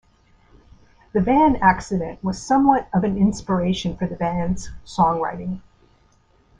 The van accident was somewhat of an inspiration for the band's songwriting.